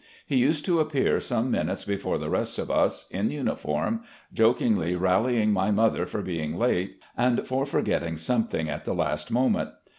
He used to appear some minutes before the rest of us, in uniform, jokingly rallying my mother for being late, and for forgetting something at the last moment.